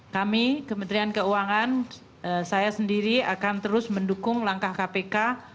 kami kementerian keuangan saya sendiri akan terus mendukung langkah kpk